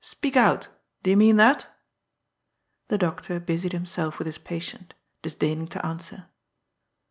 speak out : do you mean that?" The doctor busied himself with his patient, disdaining to answer.